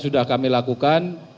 sudah kami lakukan